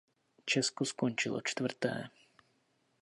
Česko skončilo čtvrté.